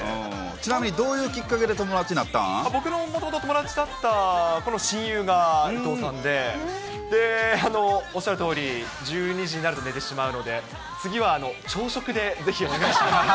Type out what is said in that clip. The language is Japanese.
ちなみにどういうきっかけで僕のもともと友達だったこの親友が伊藤さんで、おっしゃるとおり、１２時になると寝てしまうので、次は朝食でぜひお願いしたいです。